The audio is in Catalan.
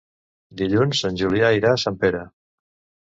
Dilluns en Julià irà a Sempere.